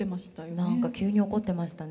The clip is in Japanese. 何か急に怒ってましたね。